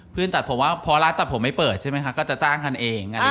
ตัดผมว่าพอร้านตัดผมไม่เปิดใช่ไหมคะก็จะจ้างกันเอง